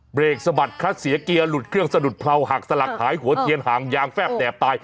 กสะบัดคัดเสียเกียร์หลุดเครื่องสะดุดเพราหักสลักหายหัวเทียนห่างยางแฟบแดบตาย